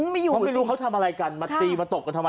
เพราะไม่รู้เขาทำอะไรกันมาตีมาตบกันทำไม